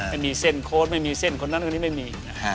ไม่มีเส้นโค้ดไม่มีเส้นอื่นอื่นนั้นนี้ไม่มี